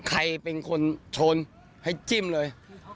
ใครเป็นคนชนให้จิ้มเลย